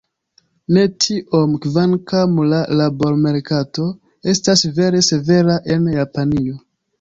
Ne tiom, kvankam la labormerkato estas vere severa en Japanio.